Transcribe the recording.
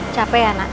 capek ya anak